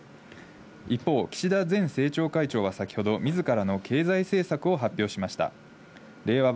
一方、岸田前政調会長は先ほど自らの経済政策を発表しました。